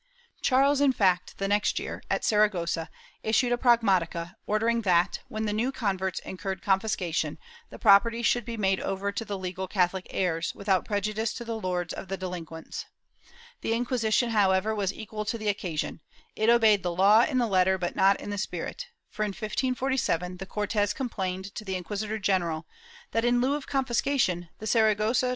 ^ Charles, in fact, the next year, at Saragossa, issued a pragmd tica ordering that, when the new converts incurred confiscation, the property should be made over to the legal Catholic heirs, without prejudice to the lords of the delinquents. The Inquisition, however, was equal to the occasion ; it obeyed the law in the letter but not in the spirit, for, in 1547, the Cortes complained to the inquisitor general that, in lieu of confiscation, the Saragossa tri ' Archive de Simancas, Paironato Real, Inq.